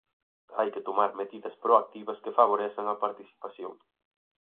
Hai que tomar medidas proactivas que favorezan a participación.